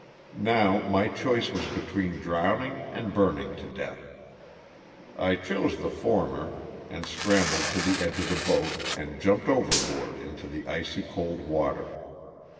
Now my choice was between drowning and burning to death. I chose the former and scrambled to the edge of the boat and jumped overboard into the icy cold water.